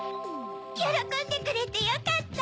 よろこんでくれてよかった。